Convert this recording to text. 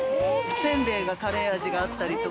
せんべいがカレー味があったりとか。